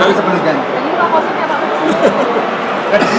tadi kok posisinya pak